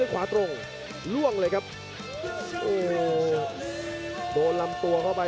โปรดติดตามต่อไป